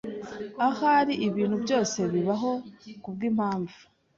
Ahari ibintu byose bibaho kubwimpamvu.